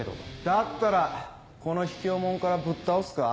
だったらこの卑怯もんからぶっ倒すか？